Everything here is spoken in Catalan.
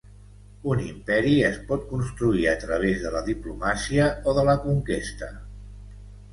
Un imperi es pot construir a través de la diplomàcia o de la conquesta.